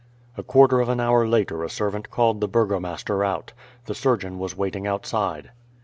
A quarter of an hour later a servant called the burgomaster out. The surgeon was waiting outside.